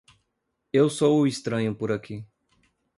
Eu sou o estranho por aqui.